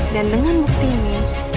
dan dengan bukti ini